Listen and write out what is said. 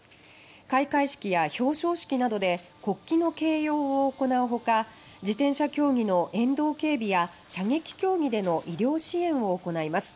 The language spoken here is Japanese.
開会式や表彰式などで国旗の掲揚を行うほか自転車競技の沿道警備や射撃競技での医療支援を行います。